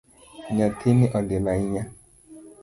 Nyathini olil ahinya